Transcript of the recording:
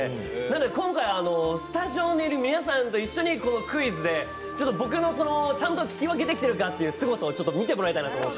今回、スタジオにいる皆さんと一緒に、このクイズで僕のちゃんと聞き分けできてるかというすごさを見てもらいたいなと思って。